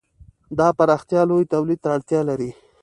دا پراختیا لوی تولید ته اړتیا لري.